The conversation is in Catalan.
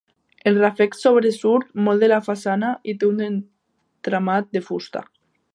El ràfec sobresurt molt de la façana i té un entramat de fusta.